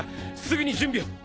すぐに準備を。